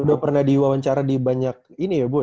udah pernah diwawang cara di banyak ini ya bu ya